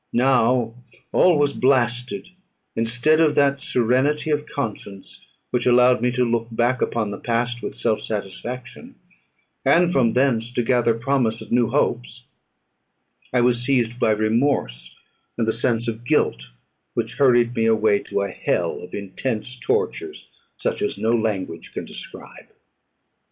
Now all was blasted: instead of that serenity of conscience, which allowed me to look back upon the past with self satisfaction, and from thence to gather promise of new hopes, I was seized by remorse and the sense of guilt, which hurried me away to a hell of intense tortures, such as no language can describe.